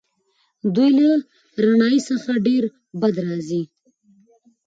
دوی له رڼایي څخه ډېر بد راځي.